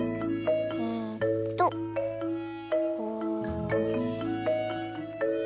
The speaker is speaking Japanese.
えっとこうして。